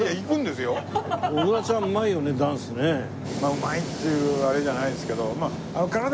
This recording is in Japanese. うまいっていうあれじゃないんですけど。